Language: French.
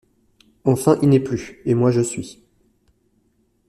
Enfin, il n’est plus, et moi je suis!